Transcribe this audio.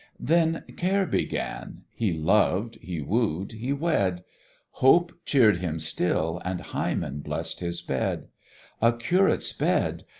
Then care began: he loved, he woo'd, he wed; Hope cheer'd him still, and Hymen bless'd his bed A curate's bed